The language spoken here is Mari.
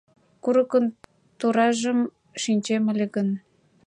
Курыкын туражым шинчем ыле гын